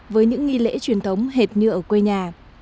với những nghi lễ truyền thống hệt như ở quê nhà